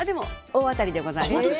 大当たりでございます。